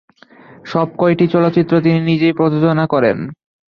সবকয়টি চলচ্চিত্র তিনি নিজেই প্রযোজনা করেন।